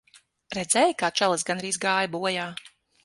Redzēji, kā čalis gandrīz gāja bojā.